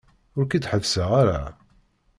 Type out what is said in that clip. Ur k-id-ḥebbseɣ ara.